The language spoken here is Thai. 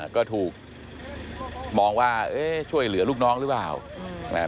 ก็ถูกมองว่าเอ๊ะช่วยเหลือลูกน้องหรือเปล่า